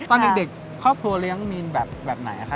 ตอนเด็กครอบครัวเลี้ยงมีนแบบไหนคะ